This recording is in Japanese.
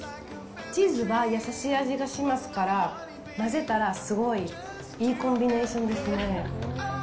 チーズは優しい味がしますから混ぜたら、すごいいいコンビネーションですね。